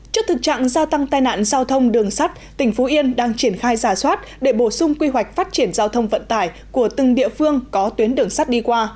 trước thực trạng gia tăng tai nạn giao thông đường sắt tỉnh phú yên đang triển khai giả soát để bổ sung quy hoạch phát triển giao thông vận tải của từng địa phương có tuyến đường sắt đi qua